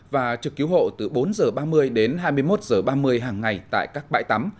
và trực cứu hộ từ bốn h ba mươi đến hai mươi một h ba mươi hàng ngày tại các bãi tắm